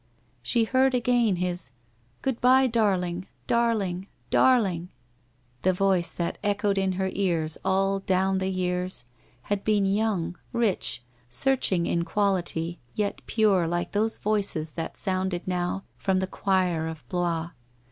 She heard again his ' Good bye, darling — darling — dar ling !' The voice that echoed in her ears all down the years, had been young, rich, searching in quality, yet pure like those voices that sounded now from the choir of Blois.